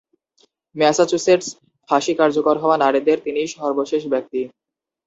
Massachusetts- ফাঁসি কার্যকর হওয়া নারীদের তিনিই সর্বশেষ ব্যক্তি।